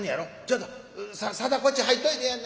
ちょっと定こっち入っといでや」。